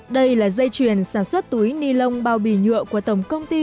đây là dây chuyền sản xuất túi nilon bao bì nhựa của tổng công ty